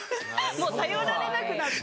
もう頼られなくなって。